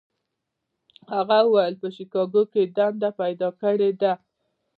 هغه وویل په شیکاګو کې یې دنده پیدا کړې ده.